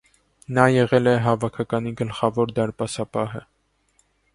Նա եղել է հավաքականի գլխավոր դարպասապահը։